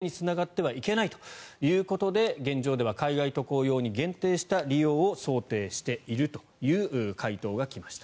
ワクチン接種の強制につながってはいけないということで現状では海外渡航用に限定した利用を想定しているという回答が来ました。